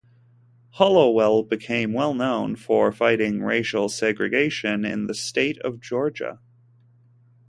Hollowell became well known for fighting racial segregation in the State of Georgia.